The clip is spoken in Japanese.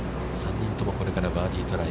３人とも、これからバーディートライ。